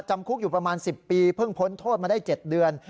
จำคุกอยู่ประมาณ๑๐ปีเพิ่งพ้นโทษมาได้๗เดือน